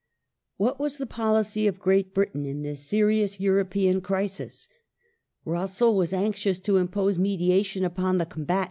What was the policy of Great Biitain in this serious European Policy of crisis ? Russell was anxious to impose mediation upon the combat S'^.